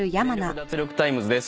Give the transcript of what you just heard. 脱力タイムズ』です。